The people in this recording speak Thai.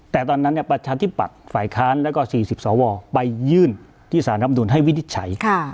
แต่ตอนนั้นประชาธิปัตย์ฝ่ายค้านแล้วก็๔๐สวไปยื่นที่สารรับนูลให้วินิจฉัย